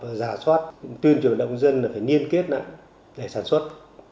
và giả soát tuyên truyền động dân là phải nghiên kết lại để sản xuất